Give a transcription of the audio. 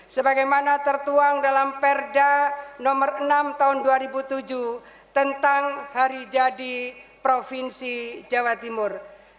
sebagaimana tertuang dalam perda nomor enam tahun dua ribu tujuh tentang hari jadi provinsi jawa timur